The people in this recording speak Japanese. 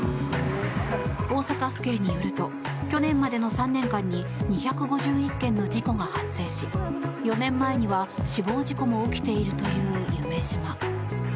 大阪府警によると去年までの３年間に２５１件の事故が発生し４年前には死亡事故も起きているという夢洲。